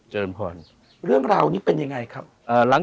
หลังจาก